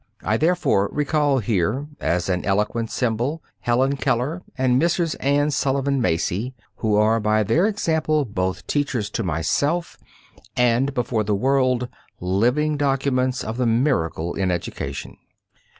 I therefore recall here, as an eloquent symbol, Helen Keller and Mrs. Anne Sullivan Macy, who are, by their example, both teachers to myself and, before the world, living documents of the miracle in education.